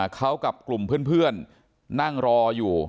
เขากับกลุ่มเพื่อนนั่งรออยู่